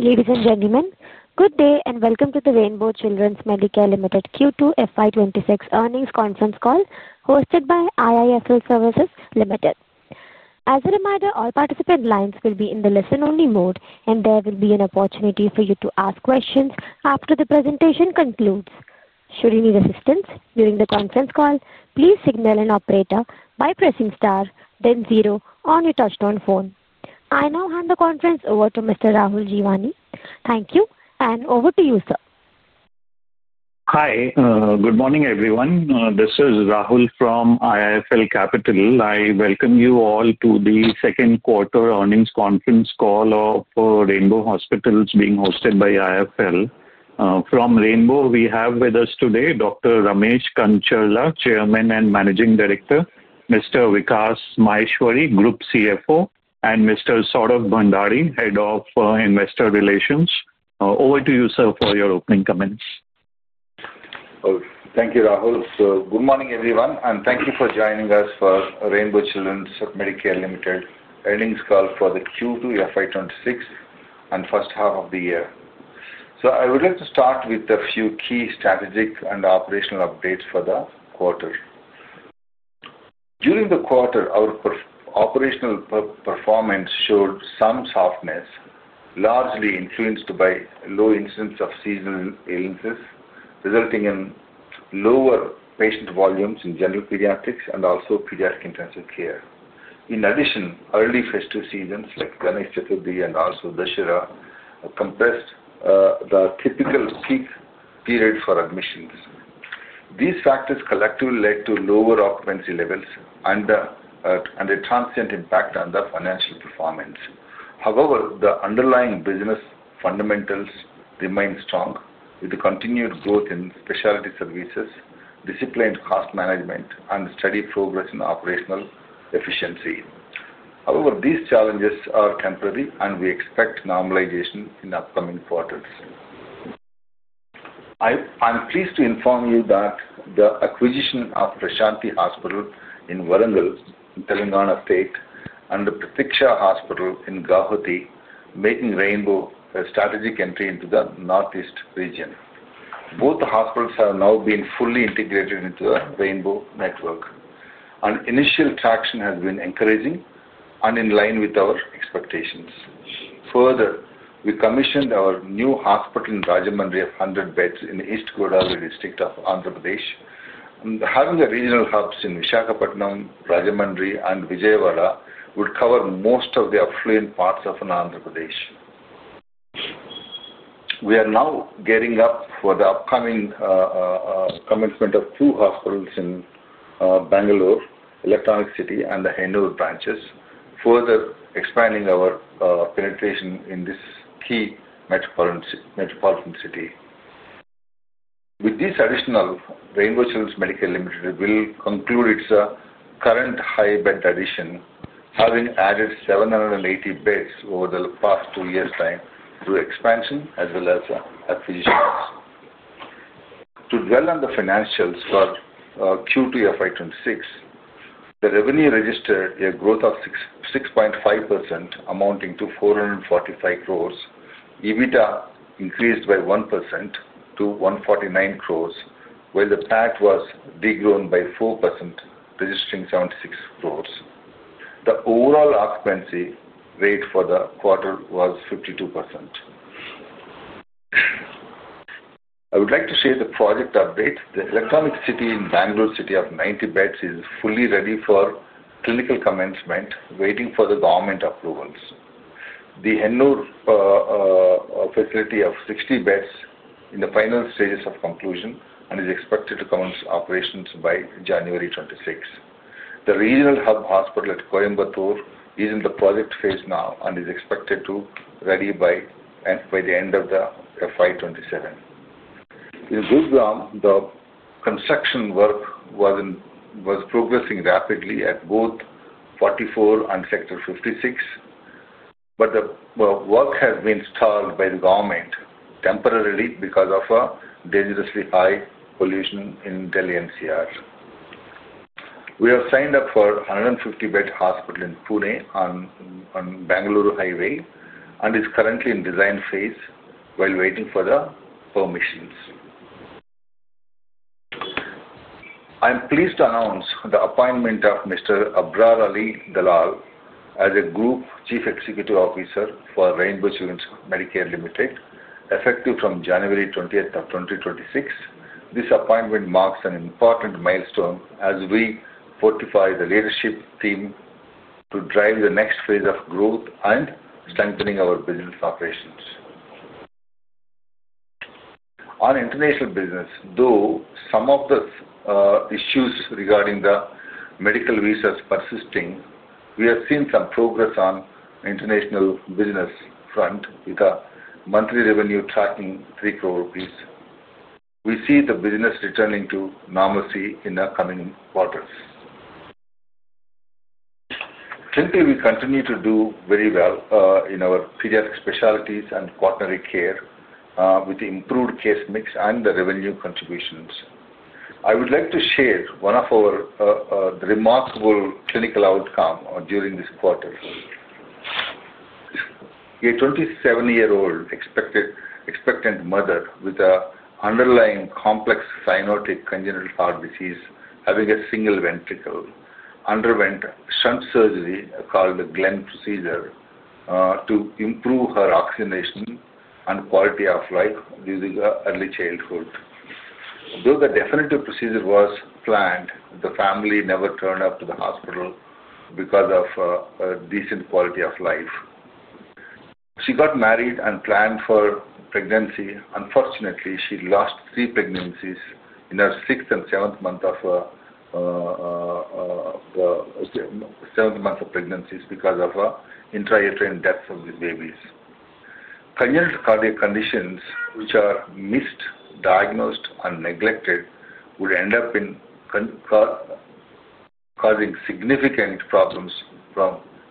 Ladies and gentlemen, good day and welcome to the Rainbow Children's Medicare Ltd Q2 FY26 Earnings Conference Call hosted by IIFL Services Ltd. As a reminder, all participant lines will be in the listen-only mode, and there will be an opportunity for you to ask questions after the presentation concludes. Should you need assistance during the conference call, please signal an operator by pressing star, then zero on your touch-tone phone. I now hand the conference over to Mr. Rahul Jeewani. Thank you, and over to you, sir. Hi, good morning, everyone. This is Rahul from IIFL Capital. I welcome you all to the Second Quarter Earnings Conference Call of Rainbow Hospitals being hosted by IIFL. From Rainbow, we have with us today Dr. Ramesh Kancharla, Chairman and Managing Director, Mr. Vikas Maheshwari, Group CFO, and Mr. Saurabh Bhandari, Head of Investor Relations. Over to you, sir, for your opening comments. Thank you, Rahul. Good morning, everyone, and thank you for joining us for Rainbow Children's Medicare Ltd Earnings Call for the Q2 FY26 and first half of the year. I would like to start with a few key strategic and operational updates for the quarter. During the quarter, our operational performance showed some softness, largely influenced by low incidence of seasonal illnesses, resulting in lower patient volumes in general pediatrics and also pediatric intensive care. In addition, early festive seasons like Ganesh Chaturthi and also Dussehra compressed the typical peak period for admissions. These factors collectively led to lower occupancy levels and a transient impact on the financial performance. However, the underlying business fundamentals remained strong, with continued growth in specialty services, disciplined cost management, and steady progress in operational efficiency. These challenges are temporary, and we expect normalization in upcoming quarters. I'm pleased to inform you that the acquisition of Prashanthi Hospital in Warangal, Telangana State, and the Pratiksha Hospital in Guwahati made Rainbow a strategic entry into the Northeast region. Both hospitals have now been fully integrated into the Rainbow network, and initial traction has been encouraging and in line with our expectations. Further, we commissioned our new hospital in Rajahmundry of 100 beds in East Godavari District of Andhra Pradesh. Having the regional hubs in Visakhapatnam, Rajahmundry, and Vijayawada would cover most of the affluent parts of Andhra Pradesh. We are now gearing up for the upcoming commencement of two hospitals in Bangalore, Electronic City, and the Hennur branches, further expanding our penetration in this key metropolitan city. With this addition, Rainbow Children's Medicare Ltd will conclude its current high-bed addition, having added 780 beds over the past two years' time through expansion as well as acquisitions. To dwell on the financials for Q2 FY2026, the revenue registered a growth of 6.5%, amounting to 445 crores. EBITDA increased by 1% to 149 crores, while the PAC was degrown by 4%, registering 76 crores. The overall occupancy rate for the quarter was 52%. I would like to share the project update. The Electronic City in Bangalore city of 90 beds is fully ready for clinical commencement, waiting for the government approvals. The Hennur facility of 60 beds is in the final stages of conclusion and is expected to commence operations by January 2026. The regional hub hospital at Coimbatore is in the project phase now and is expected to be ready by the end of FY2027. In Gurugram, the construction work was progressing rapidly at both Sector 44 and Sector 56, but the work has been stalled by the government temporarily because of dangerously high pollution in Delhi NCR. We have signed up for a 150-bed hospital in Pune on Bangalore Highway and is currently in design phase while waiting for the permissions. I'm pleased to announce the appointment of Mr. Abrarali Dalal as Group Chief Executive Officer for Rainbow Children's Medicare Ltd, effective from January 20th of 2026. This appointment marks an important milestone as we fortify the leadership team to drive the next phase of growth and strengthening our business operations. On international business, though some of the issues regarding the medical visas persisting, we have seen some progress on the international business front with a monthly revenue tracking 3 crore rupees. We see the business returning to normalcy in the coming quarters. Clinically, we continue to do very well in our pediatric specialties and cortic care with improved case mix and the revenue contributions. I would like to share one of our remarkable clinical outcomes during this quarter. A 27-year-old expectant mother with an underlying complex cyanotic congenital heart disease, having a single ventricle, underwent shunt surgery called the Glenn procedure to improve her oxygenation and quality of life during early childhood. Though the definitive procedure was planned, the family never turned up to the hospital because of decent quality of life. She got married and planned for pregnancy. Unfortunately, she lost three pregnancies in her sixth and seventh month of pregnancies because of intrauterine deaths of the babies. Congenital cardiac conditions, which are missed, diagnosed, and neglected, would end up causing significant problems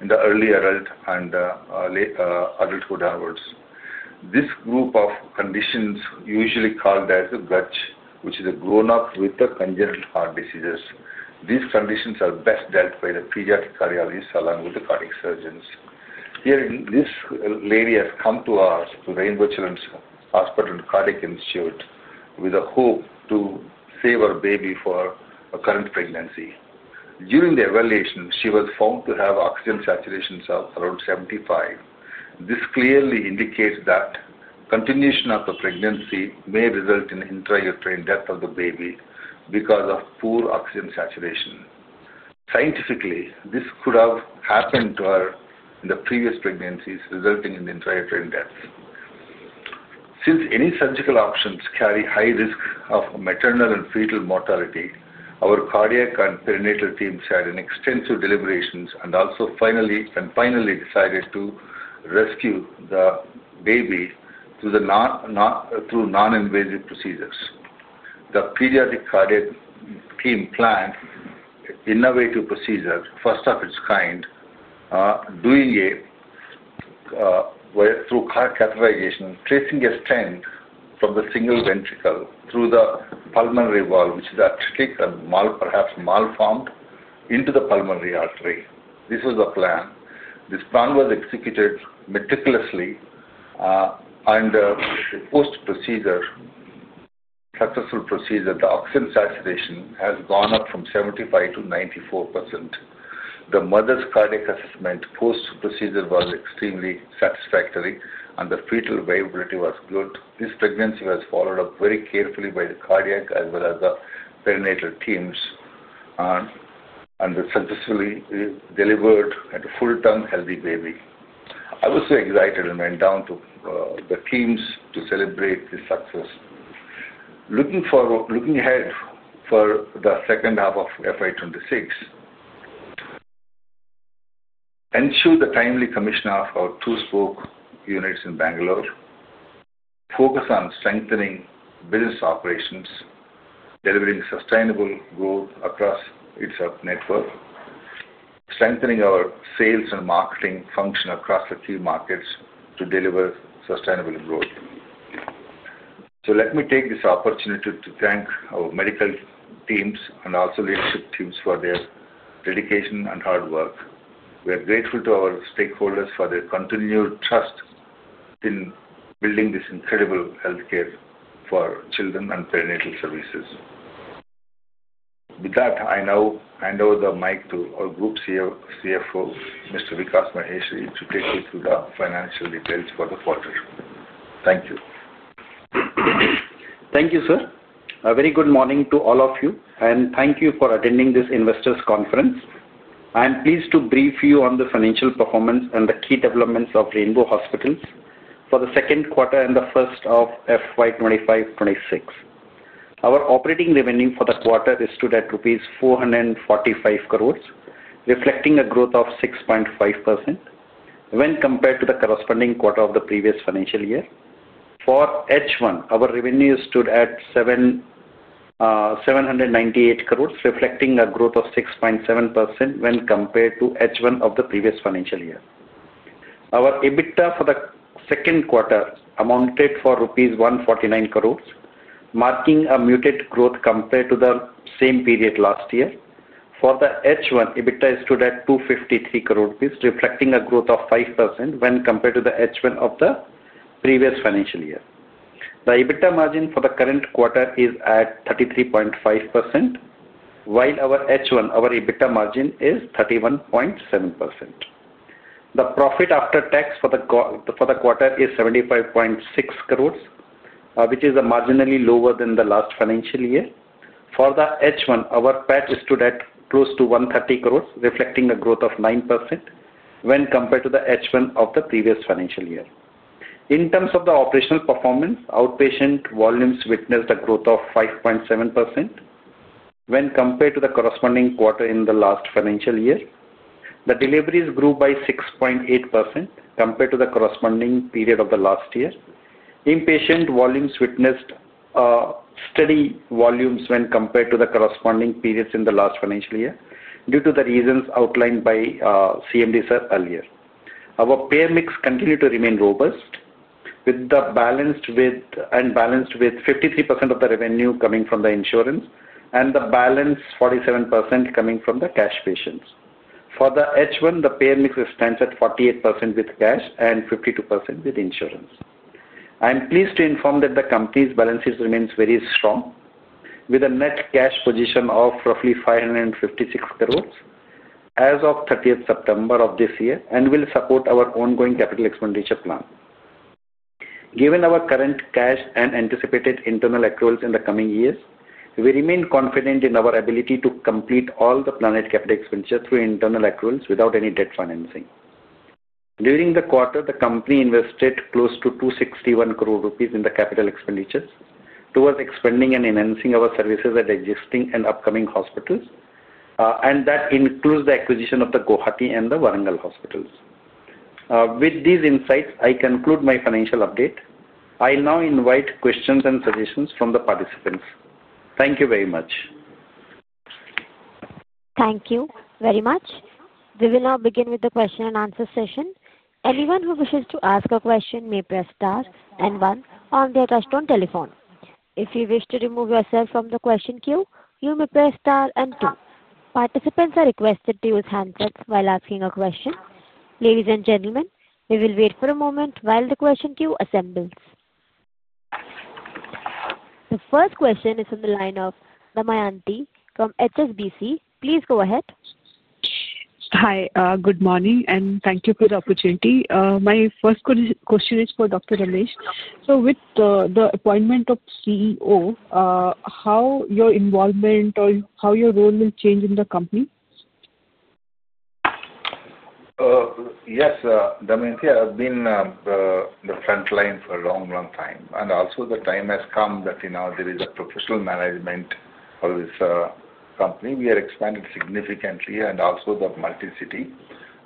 in the early adult and adulthood hours. This group of conditions is usually called as GUTS, which is a grown-up with congenital heart diseases. These conditions are best dealt by the pediatric cardiologists along with the cardiac surgeons. This lady has come to us, to Rainbow Children's Hospital and Cardiac Institute, with a hope to save her baby from a current pregnancy. During the evaluation, she was found to have oxygen saturations of around 75. This clearly indicates that the continuation of the pregnancy may result in intrauterine death of the baby because of poor oxygen saturation. Scientifically, this could have happened to her in the previous pregnancies, resulting in intrauterine deaths. Since any surgical options carry high risk of maternal and fetal mortality, our cardiac and perinatal teams had extensive deliberations and finally decided to rescue the baby through non-invasive procedures. The pediatric cardiac team planned an innovative procedure, first of its kind, through catheterization, tracing a strand from the single ventricle through the pulmonary wall, which is atretic and perhaps malformed, into the pulmonary artery. This was the plan. This plan was executed meticulously, and post-procedure, the oxygen saturation has gone up from 75% to 94%. The mother's cardiac assessment post-procedure was extremely satisfactory, and the fetal viability was good. This pregnancy was followed up very carefully by the cardiac as well as the perinatal teams, and successfully delivered a full-term healthy baby. I was so excited and went down to the teams to celebrate the success. Looking ahead for the second half of FY2026, ensure the timely commission of our two spoke units in Bangalore, focus on strengthening business operations, delivering sustainable growth across its network, strengthening our sales and marketing function across a few markets to deliver sustainable growth. Let me take this opportunity to thank our medical teams and also leadership teams for their dedication and hard work. We are grateful to our stakeholders for their continued trust in building this incredible healthcare for children and perinatal services. With that, I now hand over the mic to our Group CFO, Mr. Vikas Maheshwari, to take you through the financial details for the quarter. Thank you. Thank you, sir. A very good morning to all of you, and thank you for attending this investors' conference. I'm pleased to brief you on the financial performance and the key developments of Rainbow Children's Medicare for the second quarter and the first half of 2025-2026. Our operating revenue for the quarter stood at rupees 445 crores, reflecting a growth of 6.5% when compared to the corresponding quarter of the previous financial year. For H1, our revenue stood at 798 crores, reflecting a growth of 6.7% when compared to H1 of the previous financial year. Our EBITDA for the second quarter amounted to rupees 149 crores, marking a muted growth compared to the same period last year. For H1, EBITDA stood at 253 crores rupees, reflecting a growth of 5% when compared to H1 of the previous financial year. The EBITDA margin for the current quarter is at 33.5%, while our H1, our EBITDA margin is 31.7%. The profit after tax for the quarter is 75.6 crores, which is marginally lower than the last financial year. For the H1, our PAT is stood at close to 130 crores, reflecting a growth of 9% when compared to the H1 of the previous financial year. In terms of the operational performance, outpatient volumes witnessed a growth of 5.7% when compared to the corresponding quarter in the last financial year. The deliveries grew by 6.8% compared to the corresponding period of the last year. Inpatient volumes witnessed steady volumes when compared to the corresponding periods in the last financial year due to the reasons outlined by CMD sir earlier. Our payer mix continued to remain robust, with 53% of the revenue coming from the insurance and the balance 47% coming from the cash patients. For the H1, the payer mix stands at 48% with cash and 52% with insurance. I'm pleased to inform that the company's balance sheet remains very strong, with a net cash position of roughly 556 crores as of 30 September of this year and will support our ongoing capital expenditure plan. Given our current cash and anticipated internal accruals in the coming years, we remain confident in our ability to complete all the planned capital expenditure through internal accruals without any debt financing. During the quarter, the company invested close to 261 crores rupees in the capital expenditures towards expanding and enhancing our services at existing and upcoming hospitals, and that includes the acquisition of the Guwahati and the Warangal hospitals. With these insights, I conclude my financial update. I'll now invite questions and suggestions from the participants. Thank you very much. Thank you very much. We will now begin with the question and answer session. Anyone who wishes to ask a question may press star and one on their touchstone telephone. If you wish to remove yourself from the question queue, you may press star and two. Participants are requested to use handsets while asking a question. Ladies and gentlemen, we will wait for a moment while the question queue assembles. The first question is from the line of Damayanti from HSBC. Please go ahead. Hi, good morning, and thank you for the opportunity. My first question is for Dr. Ramesh. With the appointment of CEO, how will your involvement or how will your role change in the company? Yes, Damayanti, I've been on the front line for a long, long time. Also, the time has come that there is a professional management of this company. We have expanded significantly and also the multi-city.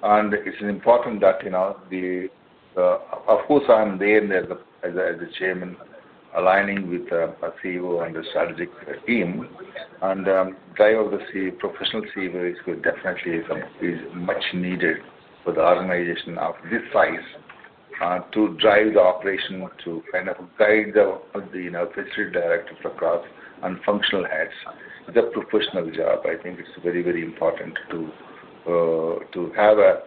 It is important that, of course, I'm there as the Chairman, aligning with the CEO and the strategic team. The drive of the professional CEO is definitely much needed for the organization of this size to drive the operation, to kind of guide the administrative directors across and functional heads. It is a professional job. I think it is very, very important to have a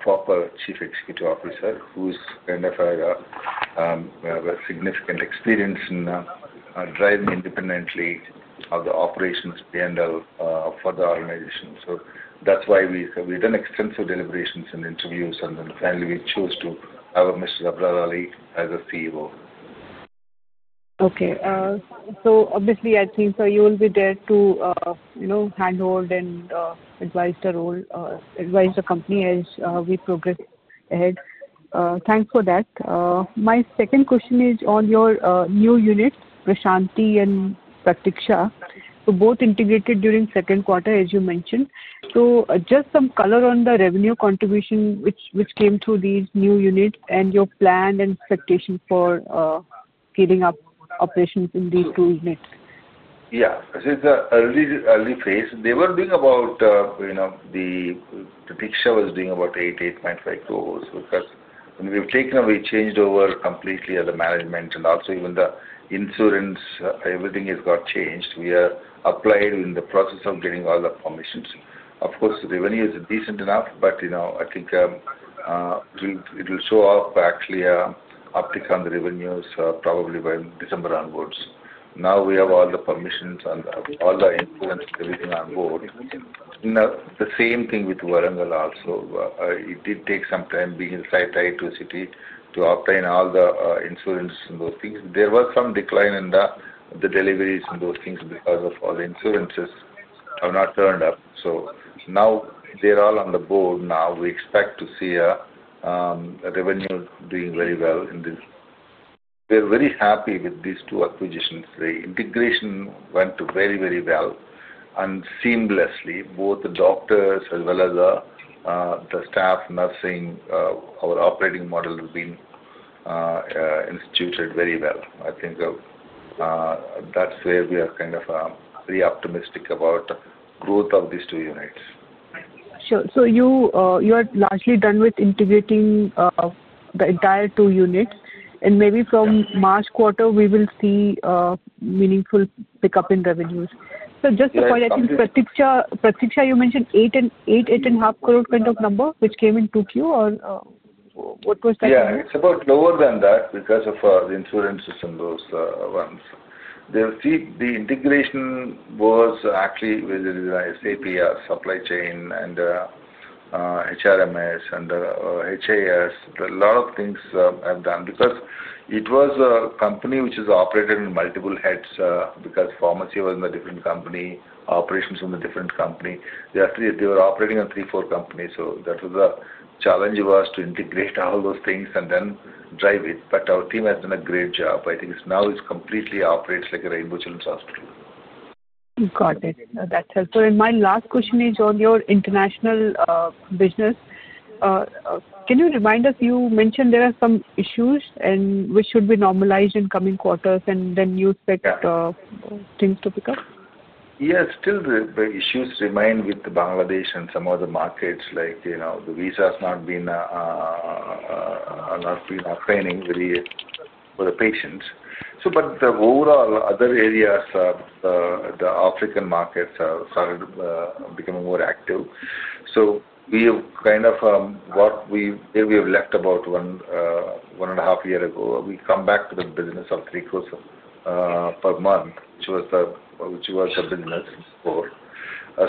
proper Chief Executive Officer who's kind of had significant experience in driving independently of the operations panel for the organization. That is why we've done extensive deliberations and interviews, and then finally, we chose to have Mr. Abraralias the CEO. Okay. So, obviously, I think you will be there to handhold and advise the company as we progress ahead. Thanks for that. My second question is on your new unit, Prashanthi and Pratiksha who both integrated during second quarter, as you mentioned. Just some color on the revenue contribution which came through these new units and your plan and expectation for scaling up operations in these two units. Yeah. So, it's an early phase. They were doing about 8-8.5 crores because when we've taken away, changed over completely the management and also even the insurance, everything has got changed. We are applied in the process of getting all the permissions. Of course, the revenue is decent enough, but I think it will show up, actually, uptick on the revenues probably by December onwards. Now we have all the permissions and all the influence and everything on board. The same thing with Warangal also. It did take some time being a site tied to a city to obtain all the insurance and those things. There was some decline in the deliveries and those things because all the insurances have not turned up. Now they're all on the board. Now we expect to see revenue doing very well in this. We're very happy with these two acquisitions. The integration went very, very well and seamlessly. Both the doctors as well as the staff, nursing, our operating model has been instituted very well. I think that's where we are kind of very optimistic about the growth of these two units. Sure. You are largely done with integrating the entire two units. Maybe from the March quarter, we will see meaningful pickup in revenues. Just to follow, I think Pratiksha, you mentioned 8-8.5 crore kind of number which came into Q2, or what was that number? Yeah. It is about lower than that because of the insurances and those ones. The integration was actually with SAPS, Supply Chain, and HRMS, and HAS. A lot of things have done because it was a company which is operated in multiple heads because pharmacy was in a different company, operations in a different company. They were operating in three, four companies. That was the challenge was to integrate all those things and then drive it. Our team has done a great job. I think now it completely operates like a Rainbow Children's Hospital. Got it. That's helpful. My last question is on your international business. Can you remind us? You mentioned there are some issues which should be normalized in coming quarters and then you expect things to pick up? Yes. Still, the issues remain with Bangladesh and some other markets. The visa has not been obtaining for the patients. The overall other areas, the African markets have started becoming more active. We have kind of what we have left about one and a half years ago. We come back to the business of 3 crores per month, which was the business before.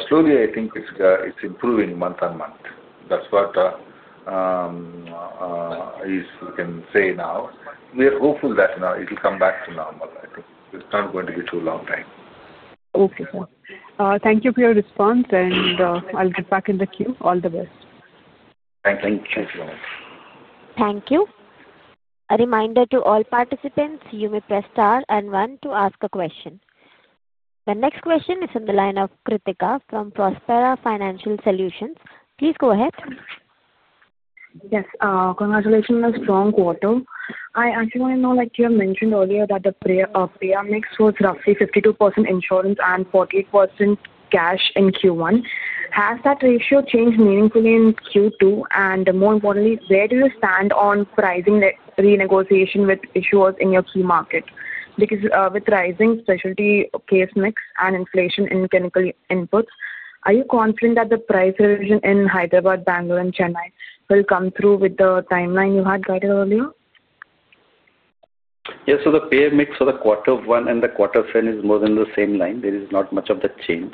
Slowly, I think it's improving month on month. That's what we can say now. We are hopeful that it will come back to normal. It's not going to be too long time. Okay, sir. Thank you for your response, and I'll get back in the queue. All the best. Thank you. Thank you. A reminder to all participants, you may press star and one to ask a question. The next question is from the line of Kritika from Prospera Financial Solutions. Please go ahead. Yes. Congratulations on strong quarter. I actually want to know, like you have mentioned earlier, that the payer mix was roughly 52% insurance and 48% cash in Q1. Has that ratio changed meaningfully in Q2? More importantly, where do you stand on pricing renegotiation with issuers in your key market? Because with rising specialty case mix and inflation in clinical inputs, are you confident that the price revision in Hyderabad, Bangalore, and Chennai will come through with the timeline you had guided earlier? Yes. The payer mix for the quarter one and the quarter seven is more or less the same line. There is not much of a change.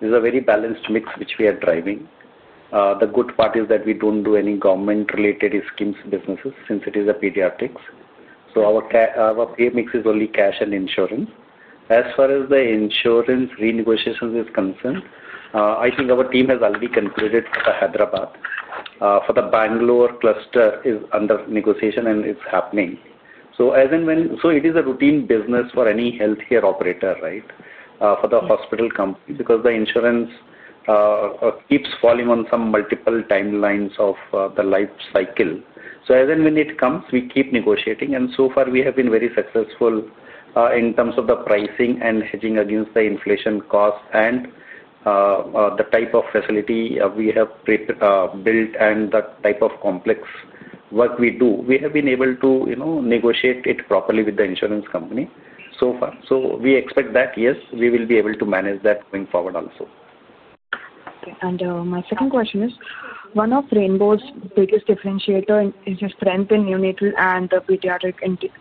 This is a very balanced mix which we are driving. The good part is that we do not do any government-related schemes businesses since it is pediatrics. Our payer mix is only cash and insurance. As far as the insurance renegotiations are concerned, I think our team has already concluded for Hyderabad. For the Bangalore cluster, it is under negotiation and it is happening. It is a routine business for any healthcare operator, right, for the hospital company because the insurance keeps falling on some multiple timelines of the life cycle. When it comes, we keep negotiating. So far, we have been very successful in terms of the pricing and hedging against the inflation cost and the type of facility we have built and the type of complex work we do. We have been able to negotiate it properly with the insurance company so far. We expect that, yes, we will be able to manage that going forward also. Okay. My second question is, one of Rainbow's biggest differentiators is the strength in neonatal and pediatric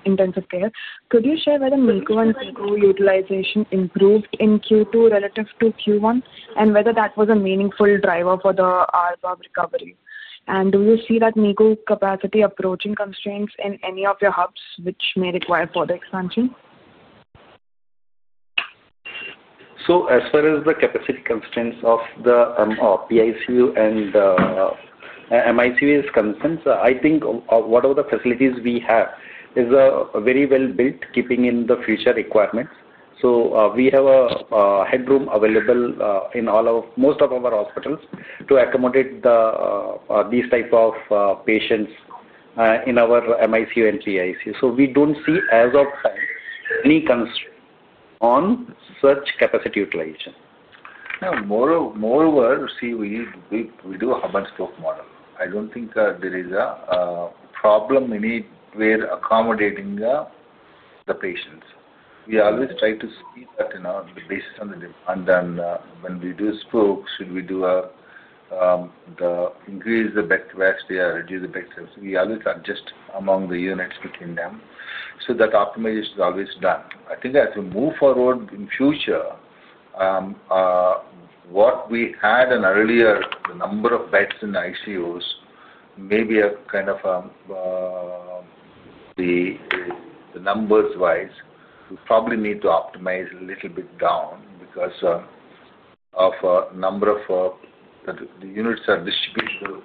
intensive care. Could you share whether NICU and PICU utilization improved in Q2 relative to Q1 and whether that was a meaningful driver for the RBAB recovery? Do you see that NICU capacity approaching constraints in any of your hubs which may require further expansion? As far as the capacity constraints of the PICU and MICU are concerned, I think whatever the facilities we have is very well built, keeping in the future requirements. We have a headroom available in most of our hospitals to accommodate these types of patients in our MICU and PICU. We do not see as of time any constraint on such capacity utilization. Moreover, we do a hub-and-spoke model. I do not think there is a problem anywhere accommodating the patients. We always try to see that the basis on the demand. Then when we do spokes, should we increase the bed capacity or reduce the bed capacity? We always adjust among the units between them. That optimization is always done. I think as we move forward in future, what we had earlier, the number of beds in ICUs may be kind of the numbers-wise, we probably need to optimize a little bit down because a number of the units are distributed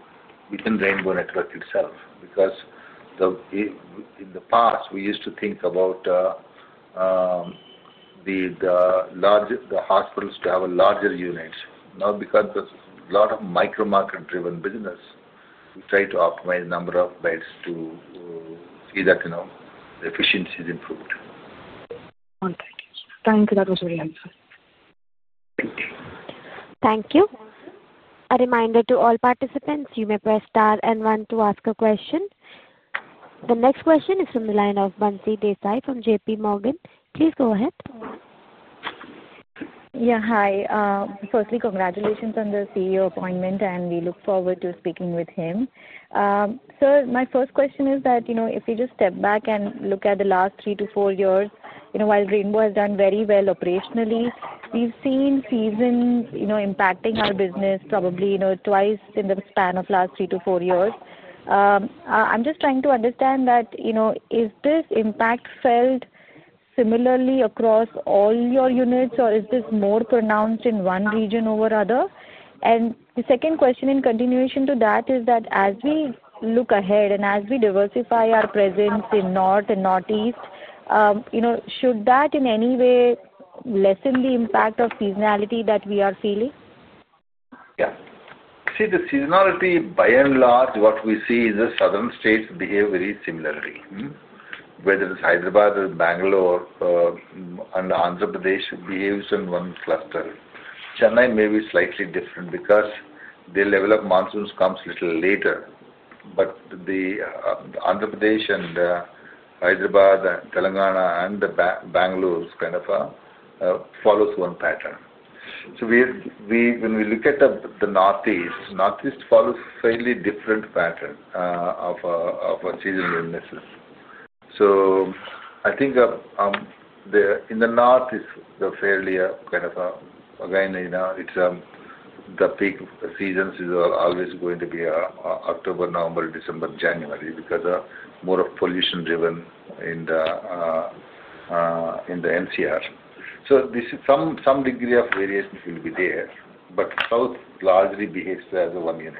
within Rainbow Network itself. Because in the past, we used to think about the hospitals to have larger units. Now, because there is a lot of micro-market-driven business, we try to optimize the number of beds to see that efficiency is improved. Thank you. Thank you. That was very helpful. Thank you. A reminder to all participants, you may press star and one to ask a question. The next question is from the line of Bansi Desai from JP Morgan. Please go ahead. Yeah. Hi. Firstly, congratulations on the CEO appointment, and we look forward to speaking with him. Sir, my first question is that if we just step back and look at the last three to four years, while Rainbow has done very well operationally, we've seen seasons impacting our business probably twice in the span of the last three to four years. I'm just trying to understand that, is this impact felt similarly across all your units, or is this more pronounced in one region over another? The second question in continuation to that is that as we look ahead and as we diversify our presence in north and northeast, should that in any way lessen the impact of seasonality that we are feeling? Yeah. See, the seasonality, by and large, what we see is the southern states behave very similarly. Whether it is Hyderabad, Bangalore, and Andhra Pradesh behaves in one cluster. Chennai may be slightly different because the level of monsoons comes a little later. Andhra Pradesh and Hyderabad and Telangana and Bangalore kind of follows one pattern. When we look at the Northeast, Northeast follows a fairly different pattern of seasonal illnesses. I think in the north, it is fairly kind of again, the peak seasons are always going to be October, November, December, January because more of pollution-driven in the NCR. Some degree of variation will be there. South largely behaves as one unit.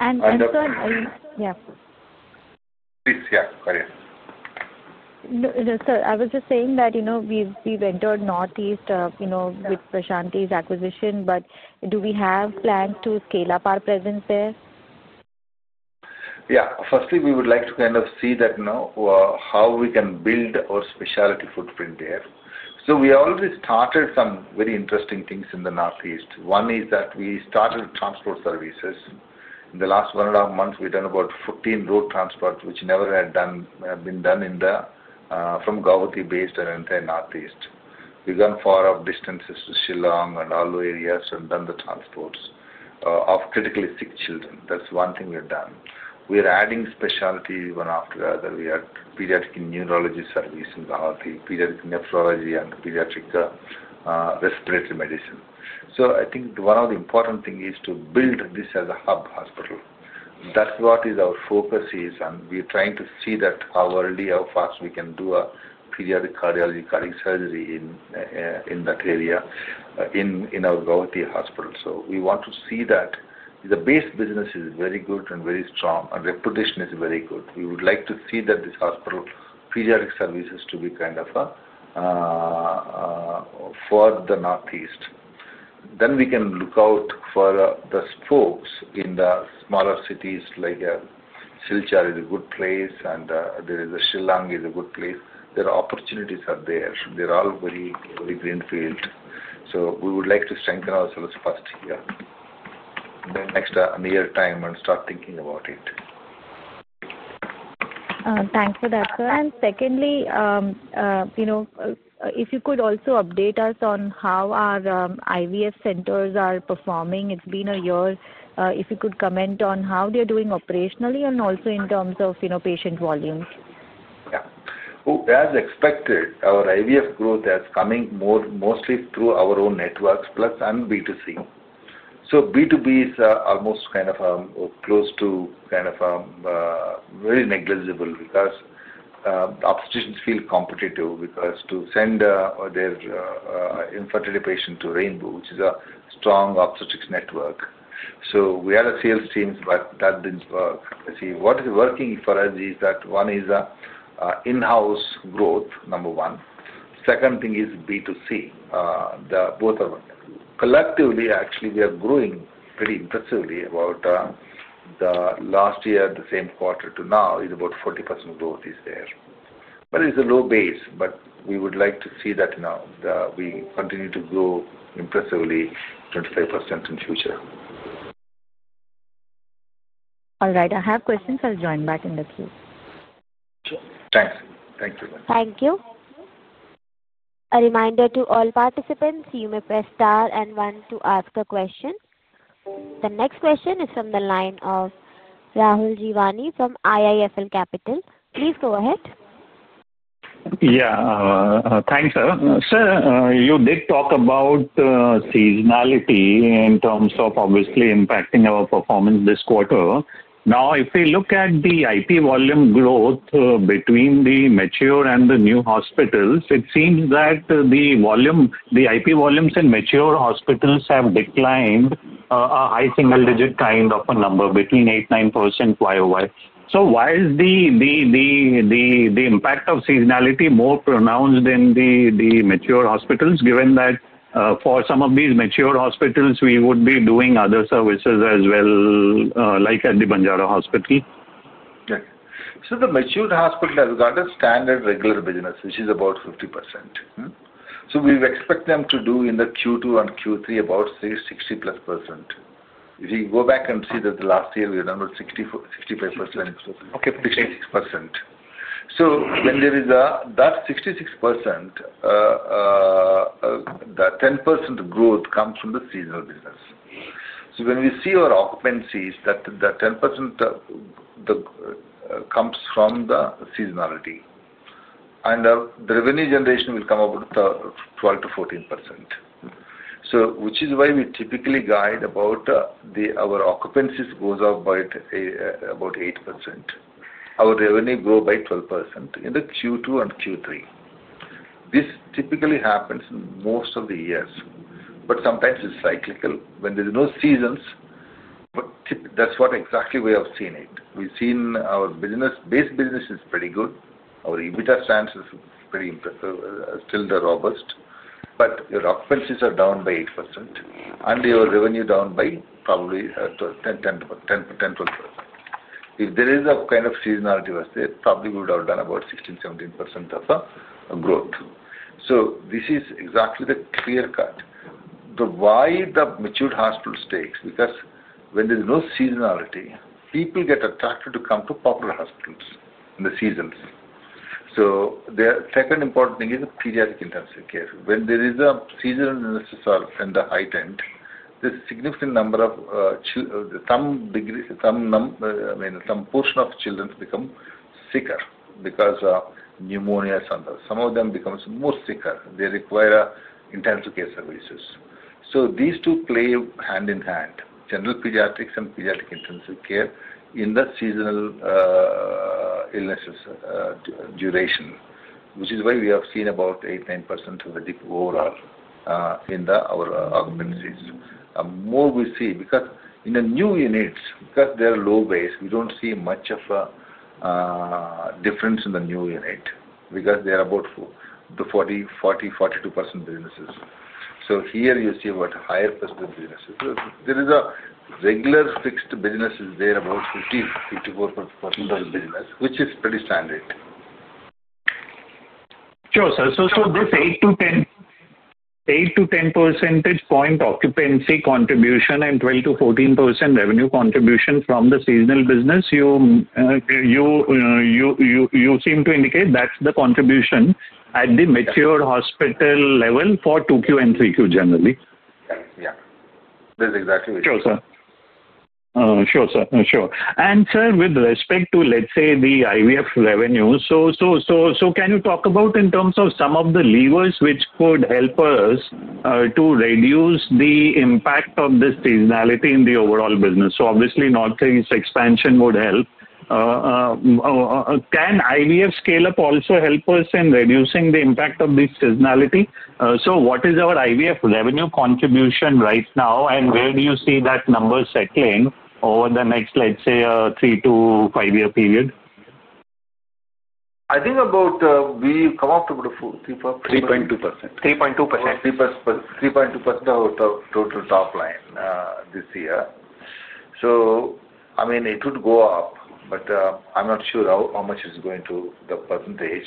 And, sir. And. Yeah. Please, yeah. Go ahead. Sir, I was just saying that we went to our Northeast with Prashanthi's acquisition, but do we have plans to scale up our presence there? Yeah. Firstly, we would like to kind of see how we can build our specialty footprint there. We already started some very interesting things in the Northeast. One is that we started transport services. In the last one and a half months, we've done about 14 road transports which never had been done from Guwahati based and entire Northeast. We've gone far off distances to Shillong and all those areas and done the transports of critically sick children. That's one thing we've done. We're adding specialty one after the other. We have pediatric neurology service in Guwahati, pediatric nephrology, and pediatric respiratory medicine. I think one of the important things is to build this as a hub hospital. That's what our focus is on. We're trying to see how early or fast we can do a pediatric cardiology cardiac surgery in that area in our Guwahati hospital. We want to see that the base business is very good and very strong and reputation is very good. We would like to see that this hospital pediatric services to be kind of for the northeast. Then we can look out for the spokes in the smaller cities like Silchar is a good place, and there is a Shillong is a good place. There are opportunities out there. They are all very greenfield. We would like to strengthen ourselves first here. Next near time and start thinking about it. Thanks for that, sir. Secondly, if you could also update us on how our IVF centers are performing. It's been a year. If you could comment on how they're doing operationally and also in terms of patient volumes. Yeah. As expected, our IVF growth is coming mostly through our own networks plus B2C. B2B is almost kind of close to kind of very negligible because obstetricians feel competitive because to send their infertility patient to Rainbow, which is a strong obstetrics network. We have a sales team, but that did not work. See, what is working for us is that one is in-house growth, number one. Second thing is B2C. Collectively, actually, we are growing pretty impressively about the last year, the same quarter to now, is about 40% growth is there. It is a low base, but we would like to see that we continue to grow impressively 25% in future. All right. I have questions. I'll join back in the queue. Sure. Thanks. Thank you. Thank you. A reminder to all participants, you may press star and one to ask a question. The next question is from the line of Rahul Jeewani from IIFL Capital. Please go ahead. Yeah. Thanks, sir. Sir, you did talk about seasonality in terms of obviously impacting our performance this quarter. Now, if we look at the IP volume growth between the mature and the new hospitals, it seems that the IP volumes in mature hospitals have declined a high single-digit kind of a number between 8%-9% year over year. So, why is the impact of seasonality more pronounced in the mature hospitals given that for some of these mature hospitals, we would be doing other services as well, like at the Banjara Hospital? Yeah. So, the mature hospital has got a standard regular business, which is about 50%. We expect them to do in the Q2 and Q3 about 60% plus. If you go back and see that last year, we were down about 65%-66%. When there is that 66%, the 10% growth comes from the seasonal business. When we see our occupancies, that 10% comes from the seasonality. The revenue generation will come about 12%-14%, which is why we typically guide about our occupancies goes up by about 8%. Our revenue grow by 12% in the Q2 and Q3. This typically happens most of the years, but sometimes it is cyclical when there are no seasons. That is what exactly we have seen. We have seen our base business is pretty good. Our EBITDA stands still robust, but your occupancies are down by 8% and your revenue down by probably 10%-12%. If there is a kind of seasonality was there, probably we would have done about 16%-17% of a growth. This is exactly the clear cut. Why the mature hospital stays? Because when there's no seasonality, people get attracted to come to popular hospitals in the seasons. The second important thing is pediatric intensive care. When there is a seasonal illness in the high end, there's a significant number of some portion of children become sicker because of pneumonias and some of them becomes more sicker. They require intensive care services. These two play hand in hand, general pediatrics and pediatric intensive care in the seasonal illnesses duration, which is why we have seen about 8%-9% of the overall in our occupancies. More we see because in the new units, because they are low base, we do not see much of a difference in the new unit because they are about 40%-42% businesses. Here you see what higher percentage of businesses. There is a regular fixed businesses there about 50%-54% of the business, which is pretty standard. Sure, sir. So, this 8%-10% occupancy contribution and 12%-14% revenue contribution from the seasonal business, you seem to indicate that's the contribution at the mature hospital level for 2Q and 3Q generally. Yeah. That's exactly what you said. Sure, sir. Sure, sir. And, sir, with respect to, let's say, the IVF revenue, can you talk about in terms of some of the levers which could help us to reduce the impact of this seasonality in the overall business? Obviously, northeast expansion would help. Can IVF scale-up also help us in reducing the impact of this seasonality? What is our IVF revenue contribution right now, and where do you see that number settling over the next, let's say, three to five-year period? I think about we come up to about 3.2%. 3.2%. 3.2% of total top line this year. I mean, it would go up, but I'm not sure how much it's going to the percentage.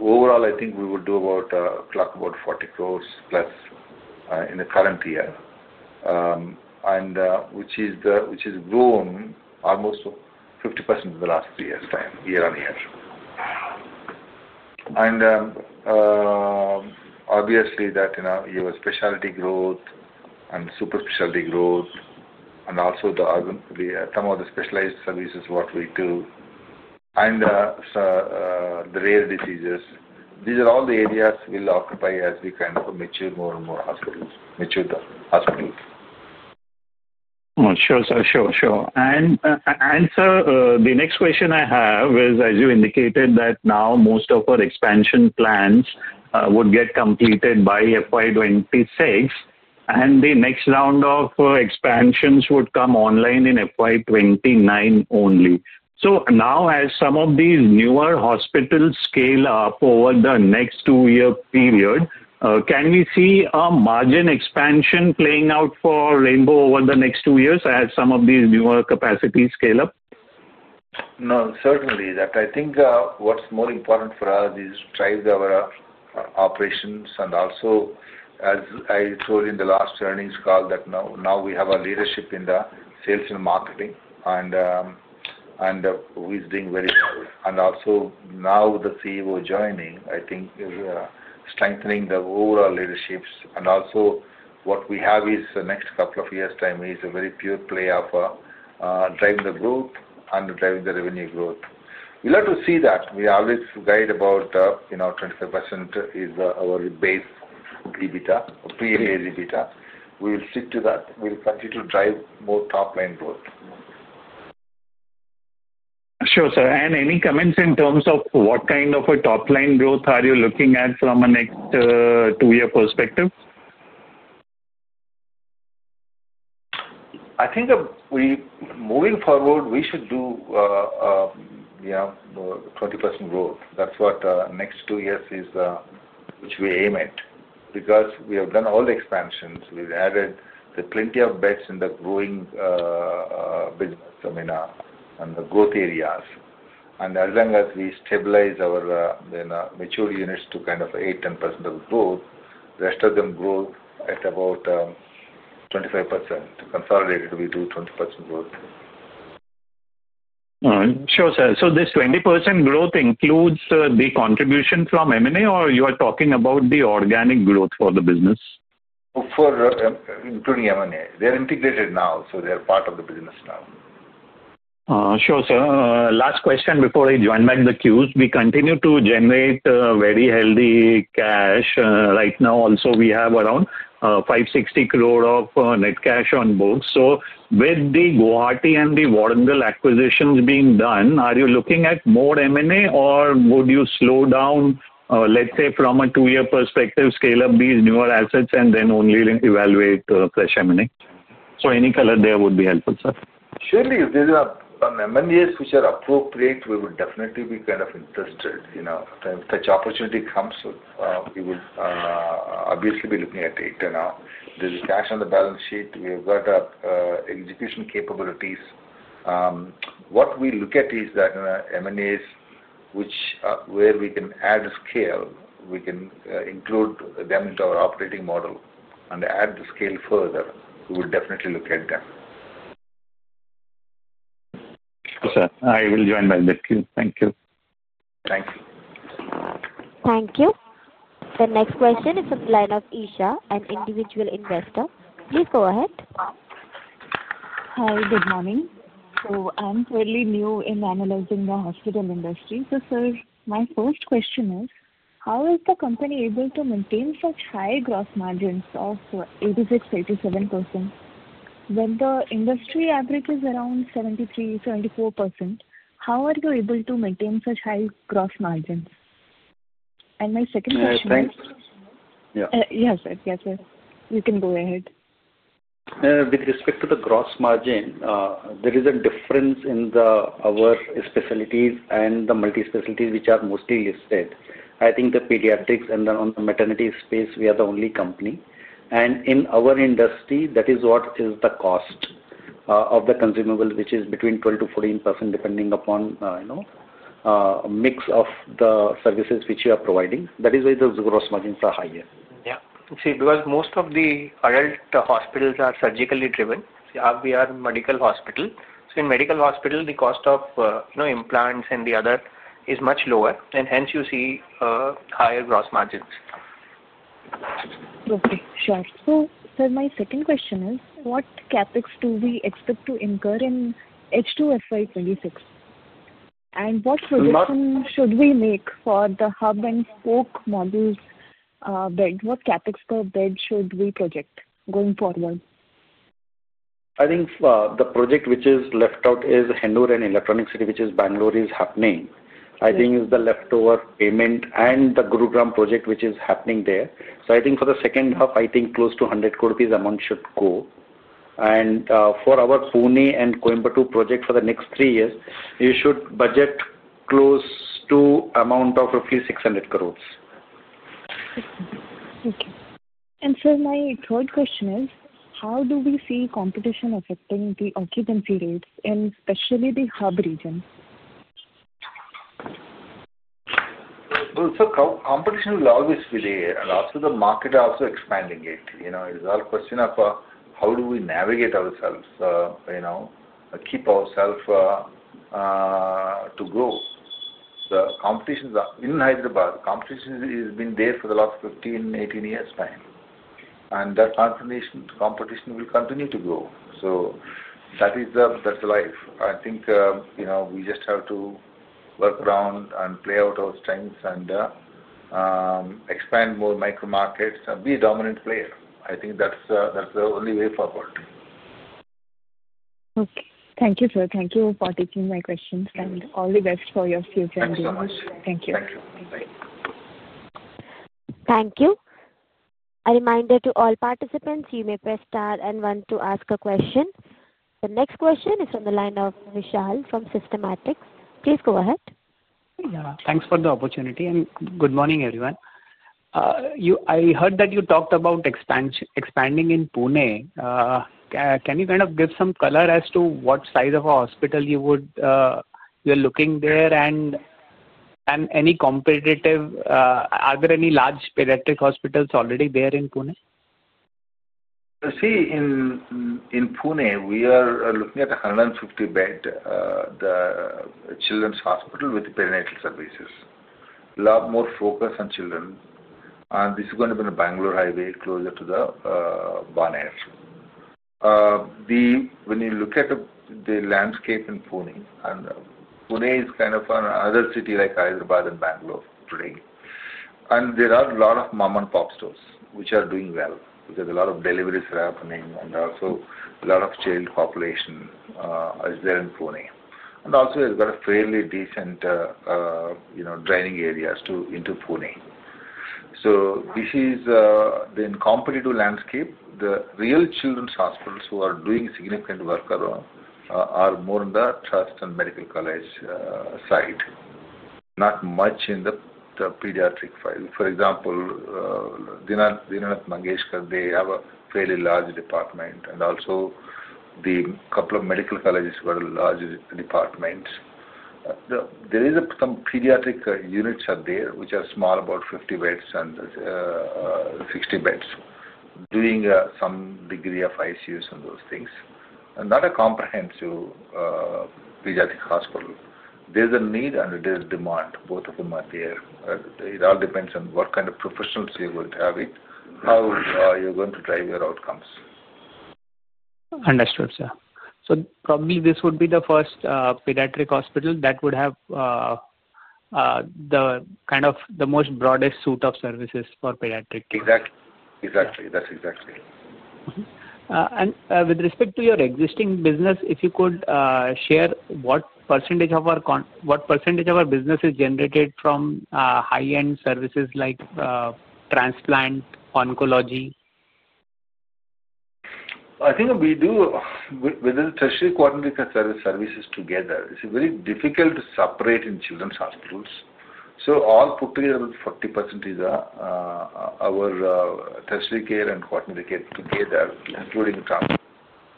Overall, I think we would do about clock about 40 crores plus in the current year, which has grown almost 50% in the last year on year. Obviously, you have specialty growth and super specialty growth, and also some of the specialized services what we do, and the rare diseases. These are all the areas we'll occupy as we kind of mature more and more hospitals, mature the hospitals. Sure, sir. Sure, sure. Sir, the next question I have is, as you indicated, that now most of our expansion plans would get completed by FY 2026, and the next round of expansions would come online in FY 2029 only. Now, as some of these newer hospitals scale up over the next two-year period, can we see a margin expansion playing out for Rainbow over the next two years as some of these newer capacities scale up? No, certainly. I think what is more important for us is to drive our operations. As I told in the last earnings call, now we have a leadership in sales and marketing, and who is doing very well. Also, now the CEO joining, I think, is strengthening the overall leaderships. What we have in the next couple of years' time is a very pure play of driving the growth and driving the revenue growth. We love to see that. We always guide about 25% is our base EBITDA, pre-year EBITDA. We will stick to that. We will continue to drive more top-line growth. Sure, sir. Any comments in terms of what kind of a top-line growth are you looking at from a next two-year perspective? I think moving forward, we should do 20% growth. That's what next two years is which we aim at because we have done all the expansions. We've added plenty of beds in the growing business and the growth areas. As long as we stabilize our mature units to kind of 8%-10% of the growth, the rest of them grow at about 25%. Consolidated, we do 20% growth. Sure, sir. So this 20% growth includes the contribution from M&A, or you are talking about the organic growth for the business? Including M&A. They're integrated now, so they're part of the business now. Sure, sir. Last question before I join back the queues. We continue to generate very healthy cash. Right now, also, we have around 50 crore-60 crore of net cash on books. With the Guwahati and the Warangal acquisitions being done, are you looking at more M&A, or would you slow down, let's say, from a two-year perspective, scale up these newer assets and then only evaluate fresh M&A? Any color there would be helpful, sir. Surely, if there are M&As which are appropriate, we would definitely be kind of interested. Such opportunity comes, we would obviously be looking at it. There is cash on the balance sheet. We have got execution capabilities. What we look at is that M&As where we can add scale, we can include them into our operating model and add the scale further. We would definitely look at them. Sure, sir. I will join back the queue. Thank you. Thank you. Thank you. The next question is from the line of Ishaa, an individual investor. Please go ahead. Hi, good morning. I'm fairly new in analyzing the hospital industry. Sir, my first question is, how is the company able to maintain such high gross margins of 86%-87%? When the industry average is around 73%-74%, how are you able to maintain such high gross margins? My second question is. Yeah. Yes, sir. You can go ahead. With respect to the gross margin, there is a difference in our specialties and the multi-specialties which are mostly listed. I think the pediatrics and then on the maternity space, we are the only company. In our industry, that is what is the cost of the consumable, which is between 12%-14% depending upon a mix of the services which you are providing. That is why the gross margins are higher. Yeah. See, because most of the adult hospitals are surgically driven. We are a medical hospital. So in medical hospital, the cost of implants and the other is much lower, and hence you see higher gross margins. Okay. Sure. Sir, my second question is, what CapEx do we expect to incur in H2FY 2026? What projection should we make for the hub and spoke modules bed? What CapEx per bed should we project going forward? I think the project which is left out is Hennur and Electronic City, which is Bangalore, is happening. I think it is the leftover payment and the Gurugram project which is happening there. I think for the second half, I think close to 100 crore rupees amount should go. For our Pune and Coimbatore project for the next three years, you should budget close to amount of roughly 600 crore. Okay. Sir, my third question is, how do we see competition affecting the occupancy rates in especially the hub region? Sir, competition will always be there. Also, the market is expanding. It is all a question of how do we navigate ourselves, keep ourselves to grow. The competition in Hyderabad has been there for the last 15-18 years. That competition will continue to grow. That is life. I think we just have to work around and play out our strengths and expand more micro markets and be a dominant player. I think that's the only way forward. Okay. Thank you, sir. Thank you for taking my questions and all the best for your future endeavors. Thank you. Thank you. Bye. Thank you. A reminder to all participants, you may press star and one to ask a question. The next question is from the line of Vishal from Systematix. Please go ahead. Thanks for the opportunity. Good morning, everyone. I heard that you talked about expanding in Pune. Can you kind of give some color as to what size of a hospital you are looking there and any competitive? Are there any large pediatric hospitals already there in Pune? See, in Pune, we are looking at a 150-bed children's hospital with perinatal services. A lot more focus on children. This is going to be on the Bangalore Highway closer to the Baner. When you look at the landscape in Pune, Pune is kind of another city like Hyderabad and Bangalore today. There are a lot of mom-and-pop stores which are doing well because a lot of deliveries are happening and also a lot of child population is there in Pune. Also, you've got a fairly decent draining area into Pune. This is the competitive landscape. The real children's hospitals who are doing significant work are more on the trust and medical college side, not much in the pediatric file. For example, Deenanath Mangeshkar, they have a fairly large department. Also, a couple of medical colleges got a large department. There are some pediatric units out there which are small, about 50 beds and 60 beds, doing some degree of ICUs and those things. Not a comprehensive pediatric hospital. There is a need and there is a demand. Both of them are there. It all depends on what kind of professionals you are going to have, how you are going to drive your outcomes. Understood, sir. So probably this would be the first pediatric hospital that would have the kind of the most broadest suite of services for pediatric. Exactly. That's exactly. With respect to your existing business, if you could share what percentage of our business is generated from high-end services like transplant, oncology? I think we do within tertiary quaternary care services together. It's very difficult to separate in children's hospitals. So all put together, about 40% is our tertiary care and quaternary care together, including about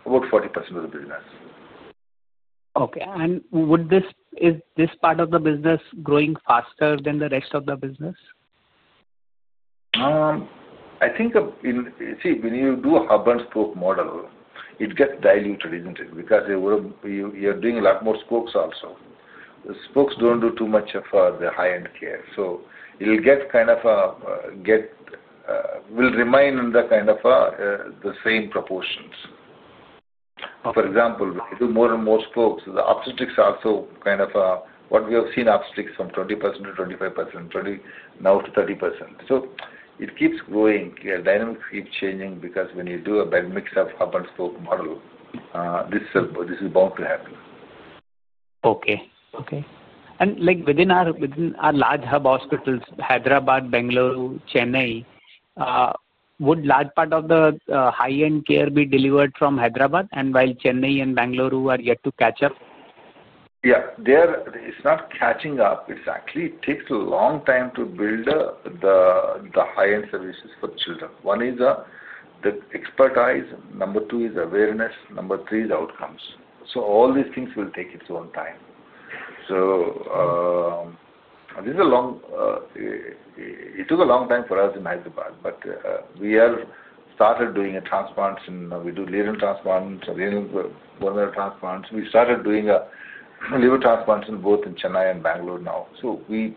40% of the business. Okay. Is this part of the business growing faster than the rest of the business? I think, see, when you do a hub-and-spoke model, it gets diluted, isn't it? Because you're doing a lot more spokes also. The spokes don't do too much of the high-end care. So it'll kind of remain in the same proportions. For example, if you do more and more spokes, the obstetrics also, kind of what we have seen, obstetrics from 20% to 25%, now to 30%. So it keeps growing. Dynamics keep changing because when you do a bad mix of hub-and-spoke model, this is bound to happen. Okay. Okay. Within our large hub hospitals, Hyderabad, Bangalore, Chennai, would a large part of the high-end care be delivered from Hyderabad, while Chennai and Bangalore are yet to catch up? Yeah. It's not catching up. Actually, it takes a long time to build the high-end services for children. One is the expertise. Number two is awareness. Number three is outcomes. All these things will take its own time. This is a long, it took a long time for us in Hyderabad, but we have started doing transplants. We do liver transplants, renal transplants. We started doing liver transplants in both Chennai and Bangalore now. To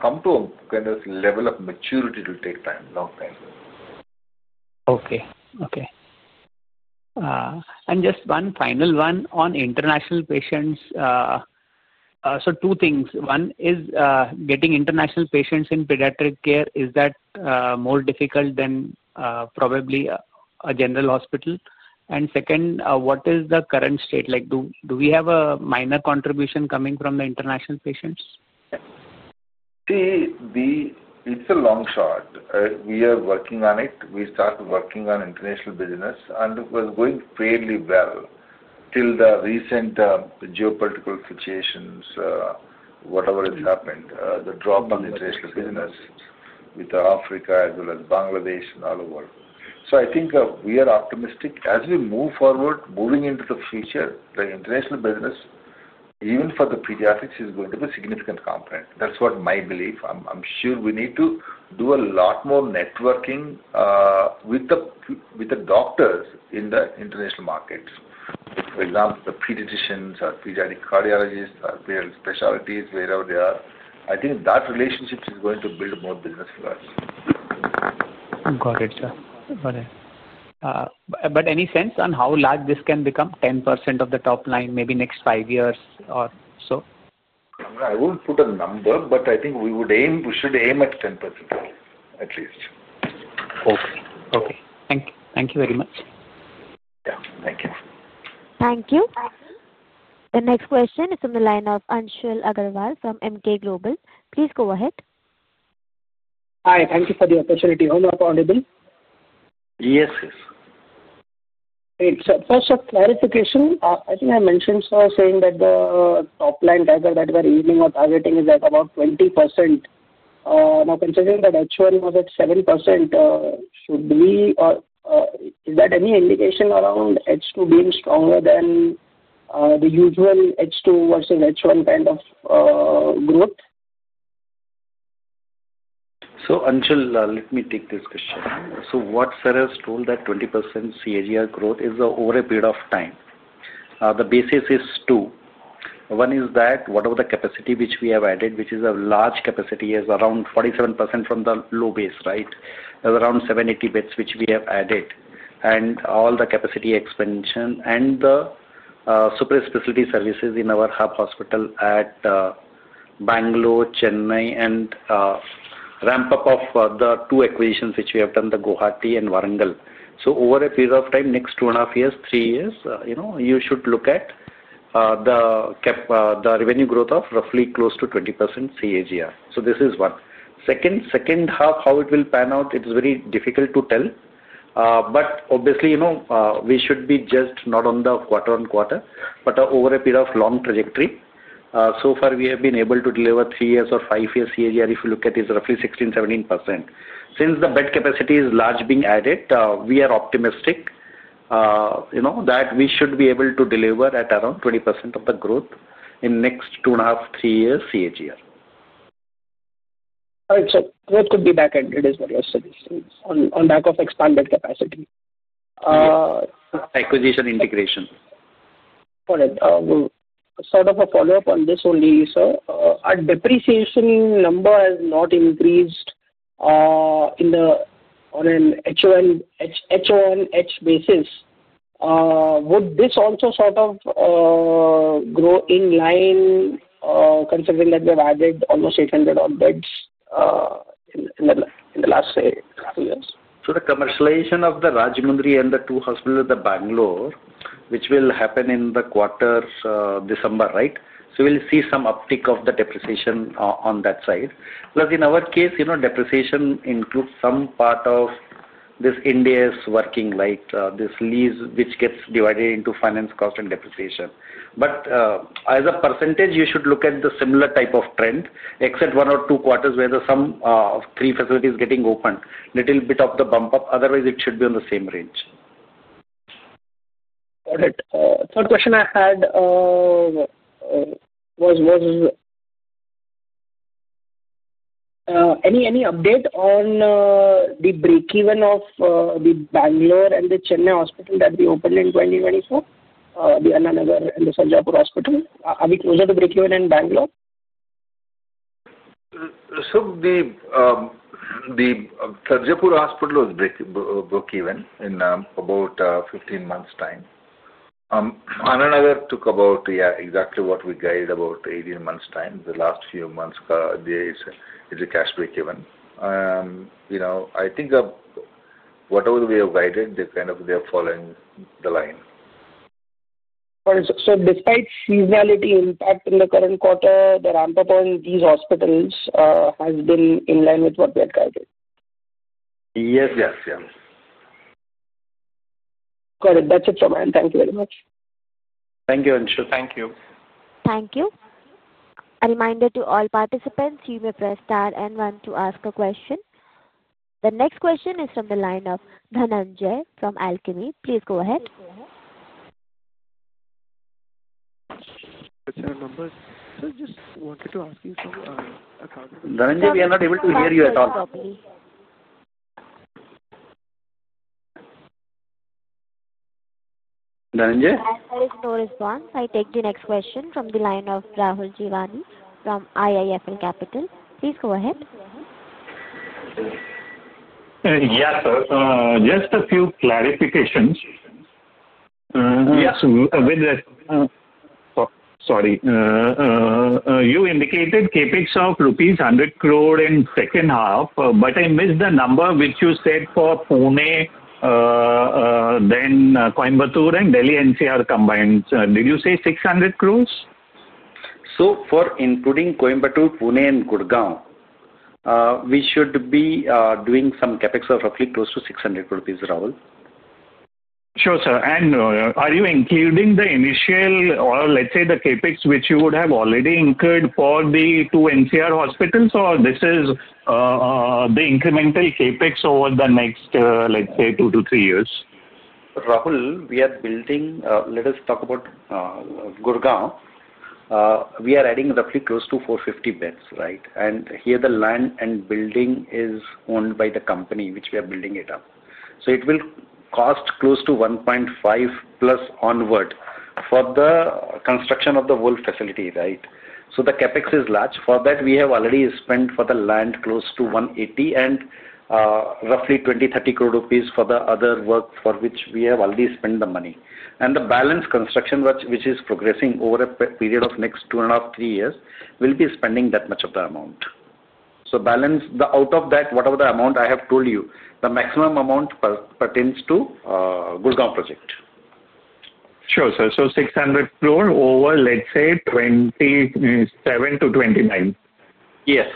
come to a kind of level of maturity, it will take time, long time. Okay. Okay. Just one final one on international patients. Two things. One is getting international patients in pediatric care, is that more difficult than probably a general hospital? Second, what is the current state? Do we have a minor contribution coming from the international patients? See, it's a long shot. We are working on it. We started working on international business, and it was going fairly well till the recent geopolitical situations, whatever has happened, the drop in international business with Africa as well as Bangladesh and all over. I think we are optimistic. As we move forward, moving into the future, the international business, even for the pediatrics, is going to be a significant component. That's what my belief. I'm sure we need to do a lot more networking with the doctors in the international markets. For example, the pediatricians or pediatric cardiologists or pediatric specialties, wherever they are. I think that relationship is going to build more business for us. Got it, sir. Got it. Any sense on how large this can become, 10% of the top line maybe next five years or so? I won't put a number, but I think we should aim at 10% at least. Okay. Okay. Thank you. Thank you very much. Thank you. The next question is from the line of Anshul Agrawal from Emkay Global. Please go ahead. Hi. Thank you for the opportunity. Home of Audible? Yes, yes. Great. First, a clarification. I think I mentioned saying that the top line target that we are aiming or targeting is at about 20%. Now, considering that H1 was at 7%, is that any indication around H2 being stronger than the usual H2 versus H1 kind of growth? Anshul, let me take this question. What sir has told is that 20% CAGR growth is over a period of time. The basis is two. One is that whatever the capacity which we have added, which is a large capacity, is around 47% from the low base, right? There are around 780 beds which we have added. All the capacity expansion and the super specialty services in our hub hospital at Bangalore, Chennai, and ramp up of the two acquisitions which we have done, the Guwahati and Warangal. Over a period of time, next two and a half years, three years, you should look at the revenue growth of roughly close to 20% CAGR. This is one. Second, second half, how it will pan out, it's very difficult to tell. Obviously, we should be just not on the quarter-on-quarter, but over a period of long trajectory. So far, we have been able to deliver three years or five years CAGR. If you look at it, it is roughly 16%-17%. Since the bed capacity is large being added, we are optimistic that we should be able to deliver at around 20% of the growth in next two and a half, three years CAGR. All right. So growth could be back ended is what you're suggesting on back of expanded capacity? Acquisition integration. Got it. Sort of a follow-up on this only, sir. Our depreciation number has not increased on an HONH basis. Would this also sort of grow in line considering that we have added almost 800 odd beds in the last couple of years? The commercialization of the Rajahmundry and the two hospitals at Bangalore, which will happen in the quarter of December, right? We will see some uptick of the depreciation on that side. Plus, in our case, depreciation includes some part of this Ind AS working, like this lease which gets divided into finance cost and depreciation. As a percentage, you should look at the similar type of trend, except one or two quarters where there are some three facilities getting open, a little bit of the bump up. Otherwise, it should be in the same range. Got it. Third question I had was, any update on the break-even of the Bangalore and the Chennai hospital that we opened in 2024, the Anna Nagar and the Sarjapur Hospital? Are we closer to break-even in Bangalore? The Sanjapur Hospital was break-even in about 15 months' time. Anna Nagar took about, yeah, exactly what we guided, about 18 months' time. The last few months, there is a cash break-even. I think whatever we have guided, they're kind of following the line. Despite seasonality impact in the current quarter, the ramp-up on these hospitals has been in line with what we had guided? Yes. Got it. That's it from mine. Thank you very much. Thank you, Anshul. Thank you. Thank you. A reminder to all participants, you may press star and one to ask a question. The next question is from the line of Dhananjay from Alchemy. Please go ahead. Question number. Just wanted to ask you something. Dhananjay, we are not able to hear you at all. Dhananjay? Ther`e is no response. I take the next question from the line of Rahul Jeewani from IIFL Capital. Please go ahead. Yes, sir. Just a few clarifications. Yes. Sorry. You indicated CapEx of rupees 100 crore in second half, but I missed the number which you said for Pune, then Coimbatore and Delhi NCR combined. Did you say 600 crores? For including Coimbatore, Pune, and Gurgaon, we should be doing some CapEx of roughly close to 600 rupees, Rahul? Sure, sir. Are you including the initial or let's say the CapEx which you would have already incurred for the two NCR hospitals, or is this the incremental CapEx over the next, let's say, two to three years? Rahul, we are building, let us talk about Gurgaon. We are adding roughly close to 450 beds, right? Here, the land and building is owned by the company which we are building it up. It will cost close to 1.5 crore plus onward for the construction of the whole facility, right? The capex is large. For that, we have already spent for the land close to 180 crore and roughly 20-30 crore rupees for the other work for which we have already spent the money. The balance construction, which is progressing over a period of next two and a half, three years, we will be spending that much of the amount. Balance out of that, whatever the amount I have told you, the maximum amount pertains to Gurugram project. Sure, sir. So 600 crore over, let's say, 2027 to 2029? Yes.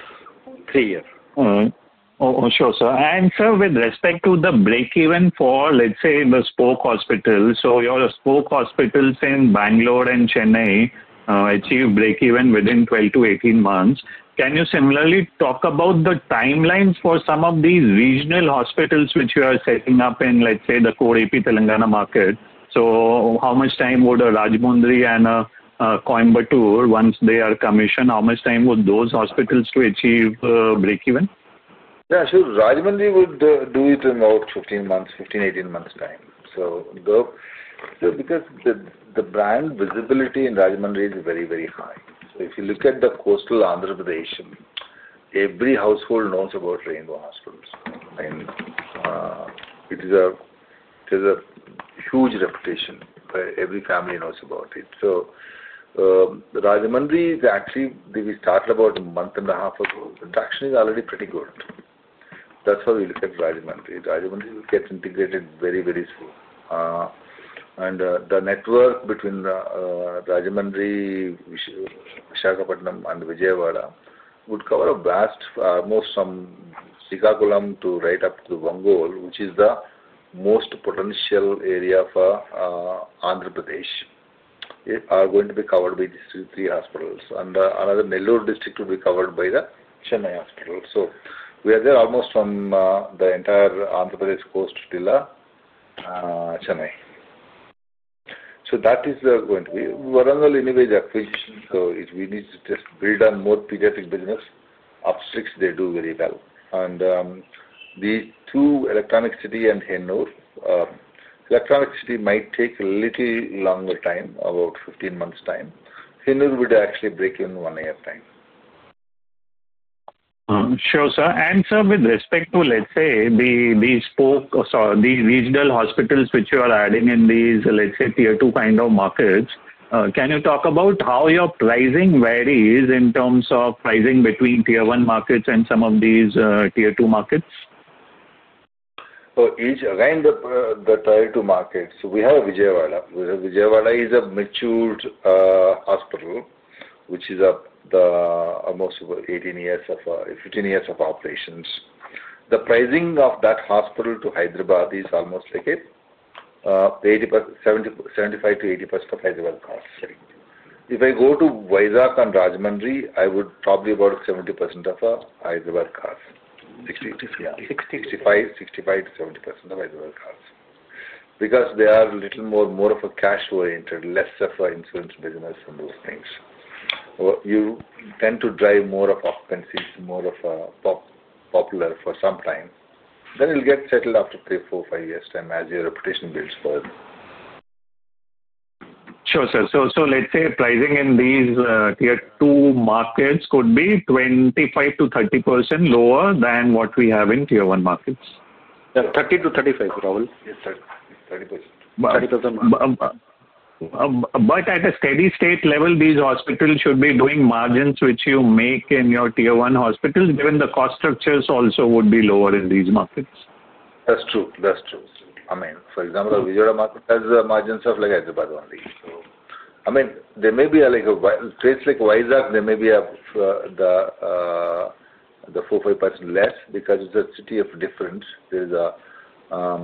Three years. Sure, sir. Sir, with respect to the break-even for, let's say, the spoke hospitals, your spoke hospitals in Bangalore and Chennai achieve break-even within 12-18 months. Can you similarly talk about the timelines for some of these regional hospitals which you are setting up in, let's say, the core Andhra Pradesh Telangana market? How much time would Rajahmundry and Coimbatore, once they are commissioned, how much time would those hospitals take to achieve break-even? Yeah. Rajahmundry would do it in about 15 months, 15-18 months' time. Because the brand visibility in Rajahmundry is very, very high. If you look at the coastal Andhra Pradesh, every household knows about Rainbow Hospitals. It has a huge reputation. Every family knows about it. Rajahmundry is actually, we started about a month and a half ago. The traction is already pretty good. That is why we look at Rajahmundry. Rajahmundry will get integrated very, very soon. The network between Rajahmundry, Visakhapatnam, and Vijayawada would cover a vast area, almost from Srikakulam to right up to Bengal, which is the most potential area for Andhra Pradesh, and is going to be covered by these three hospitals. Another Nellore district will be covered by the Chennai hospital. We are there almost from the entire Andhra Pradesh coast till Chennai. That is going to be. Warangal, anyway, is acquisition. We need to just build on more pediatric business. Obstetrics, they do very well. The two, Electronic City and Hennur, Electronic City might take a little longer time, about 15 months' time. Hennur would actually break in one year time. Sure, sir. Sir, with respect to, let's say, the spoke or, sorry, the regional hospitals which you are adding in these, let's say, tier two kind of markets, can you talk about how your pricing varies in terms of pricing between tier one markets and some of these tier two markets? Again, the tier two markets, we have Vijayawada. Vijayawada is a matured hospital, which is almost 18 years of operations. The pricing of that hospital to Hyderabad is almost like 75%-80% of Hyderabad cost. If I go to Visakhapatnam and Rajahmundry, I would probably be about 70% of Hyderabad cost. 60%-70% of Hyderabad cost. Because they are a little more of a cash-oriented, less of an insurance business and those things. You tend to drive more of occupancy, more of a popular for some time. Then you'll get settled after three, four, five years' time as your reputation builds further. Sure, sir. Let's say pricing in these tier two markets could be 25%-30% lower than what we have in tier one markets? Yeah. 30%-35%, Rahul. Yes, sir. 30%-35%. At a steady state level, these hospitals should be doing margins which you make in your tier one hospitals, given the cost structures also would be lower in these markets. That's true. That's true. I mean, for example, Vijayawada market has margins of like Hyderabad only. I mean, there may be a place like Visakhapatnam, there may be the 4%-5% less because it's a city of difference. There is a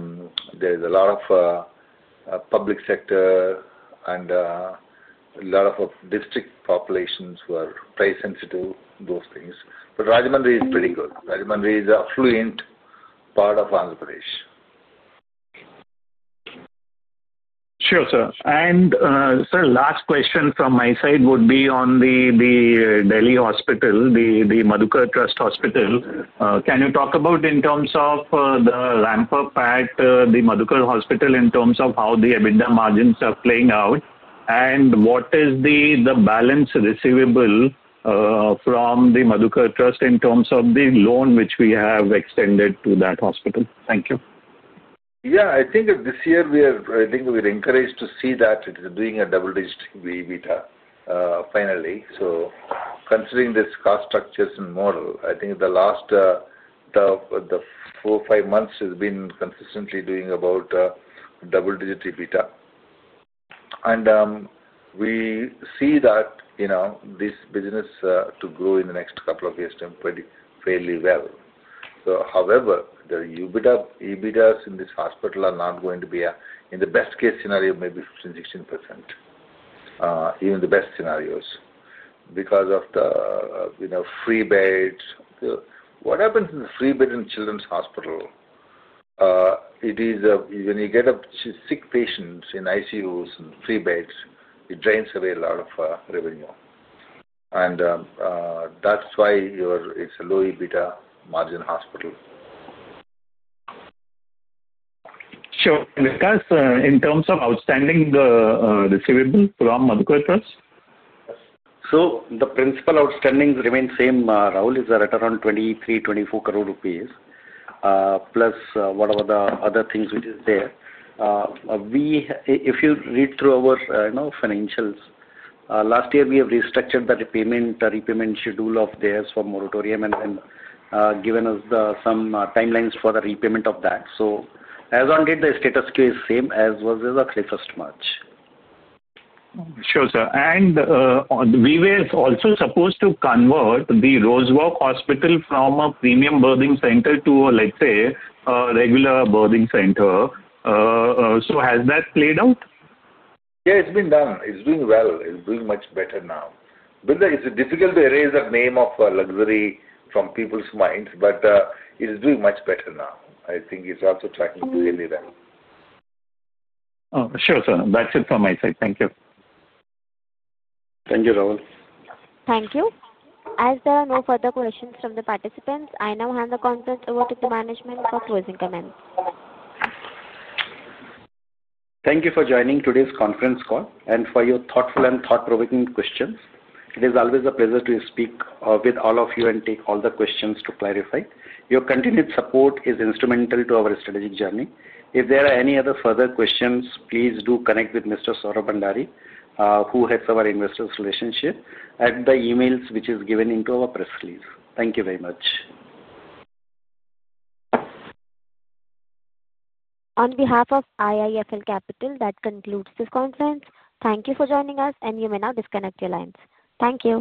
lot of public sector and a lot of district populations who are price-sensitive, those things. Rajahmundry is pretty good. Rajahmundry is an affluent part of Andhra Pradesh. Sure, sir. Sir, last question from my side would be on the Delhi hospital, the Madhukar Trust Hospital. Can you talk about in terms of the ramp-up at the Madhukar Hospital in terms of how the EBITDA margins are playing out? What is the balance receivable from the Madhukar Trust in terms of the loan which we have extended to that hospital? Thank you. Yeah. I think this year we are, I think we're encouraged to see that it is doing a double-digit EBITDA finally. Considering this cost structures and more, I think the last four, five months has been consistently doing about double-digit EBITDA. We see that this business to grow in the next couple of years fairly well. However, the EBITDA in this hospital are not going to be in the best case scenario, maybe 15%-16%, even the best scenarios because of the free beds. What happens in the free bed in children's hospital? When you get sick patients in ICUs and free beds, it drains away a lot of revenue. That's why it's a low EBITDA margin hospital. Sure. In terms of outstanding receivable from Madhukar Trust? The principal outstanding remains same, Rahul, is at around 23 crore-24 crore rupees plus whatever the other things which is there. If you read through our financials, last year we have restructured the repayment schedule of theirs for moratorium and then given us some timelines for the repayment of that. As on date, the status is same as was as of 31st March. Sure, sir. And we is also supposed to convert the Rosewalk Hospital from a premium birthing center to, let's say, a regular birthing center. Has that played out? Yeah, it's been done. It's doing well. It's doing much better now. It's difficult to erase the name of luxury from people's minds, but it's doing much better now. I think it's also starting to really run. Sure, sir. That's it from my side. Thank you. Thank you, Rahul. Thank you. As there are no further questions from the participants, I now hand the conference over to the management for closing comments. Thank you for joining today's conference call and for your thoughtful and thought-provoking questions. It is always a pleasure to speak with all of you and take all the questions to clarify. Your continued support is instrumental to our strategic journey. If there are any other further questions, please do connect with Mr. Saurabh Bhandari, who heads our Investor Relations, at the emails which are given in our press release. Thank you very much. On behalf of IIFL Capital, that concludes this conference. Thank you for joining us, and you may now disconnect your lines. Thank you.